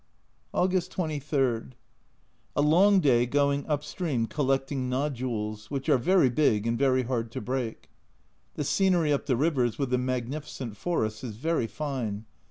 August 23. A long day going up stream collecting nodules, which are very big and very hard to break. The scenery up the rivers, with the magnificent forests, is very fine.